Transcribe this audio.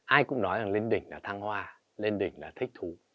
ai cũng nói rằng lên đỉnh là thăng hoa lên đỉnh là thích thú